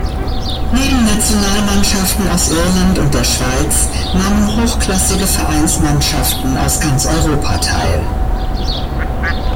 Neben Nationalmannschaften aus Irland und der Schweiz nahmen hochklassige Vereinsmannschaften aus ganz Europa teil.